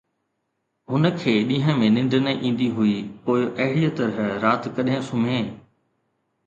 هن کي ڏينهن ۾ ننڊ نه ايندي هئي، پوءِ اهڙيءَ طرح رات ڪڏهن سمهي!